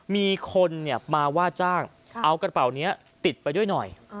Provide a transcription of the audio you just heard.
มีคนมาว่าจ้างเอากระเป๋านี้ติดไปด้วยหน่อย